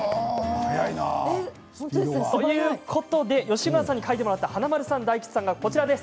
吉村さんに描いてもらった華丸さん大吉さんがこちらです。